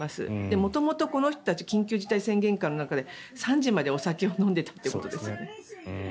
元々、この人たち緊急事態宣言下の中で３時までお酒を飲んでいたということですよね。